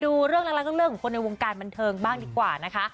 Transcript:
ดูเรื่องรักเรื่องของคนในวงการบันเทิงบ้างดีกว่านะคะ